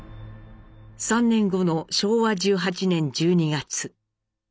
３年後の昭和１８年１２月。